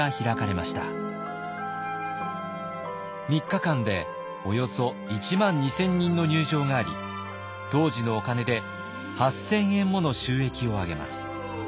３日間でおよそ１万２，０００人の入場があり当時のお金で８，０００円もの収益を上げます。